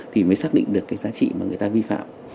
thì mới xác định được cái giá trị mà người ta vi phạm